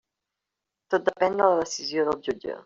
Tot depèn de la decisió del jutge.